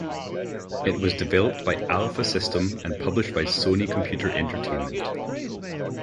It was developed by Alfa System and published by Sony Computer Entertainment.